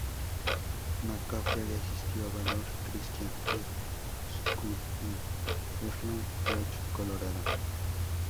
McCaffrey asistió a Valor Christian High School en Highlands Ranch, Colorado.